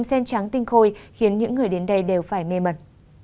khiến những người đến đây đều phải mê mẩn